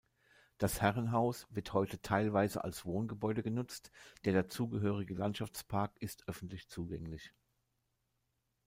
Das Herrenhaus wird heute teilweise als Wohngebäude genutzt, der dazugehörige Landschaftspark ist öffentlich zugänglich.